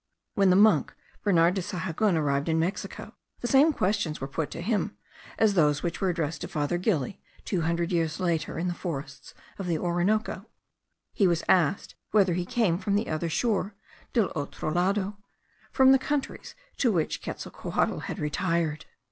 When the monk Bernard de Sahagun arrived in Mexico, the same questions were put to him, as those which were addressed to Father Gili two hundred years later, in the forests of the Orinoco; he was asked whether he came from the other shore (del otro lado), from the countries to which Quetzalcohuatl had retired.